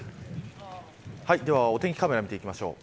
ではお天気カメラを見ていきましょう。